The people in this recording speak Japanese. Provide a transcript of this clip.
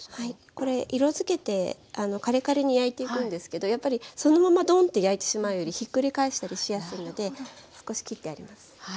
これ色づけてカリカリに焼いていくんですけどやっぱりそのままドンって焼いてしまうよりひっくり返したりしやすいので少し切ってあります。